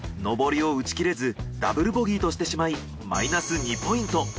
上りを打ち切れずダブルボギーとしてしまいマイナス２ポイント。